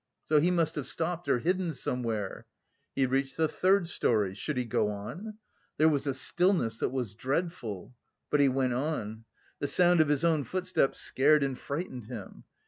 "So he must have stopped or hidden somewhere." He reached the third storey, should he go on? There was a stillness that was dreadful.... But he went on. The sound of his own footsteps scared and frightened him.